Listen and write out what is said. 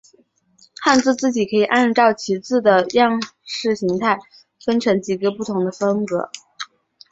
汉字字体可以按照其字的样式形态分成几个不同的风格。